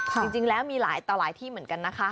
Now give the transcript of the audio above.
จริงแล้วมีหลายต่อหลายที่เหมือนกันนะคะ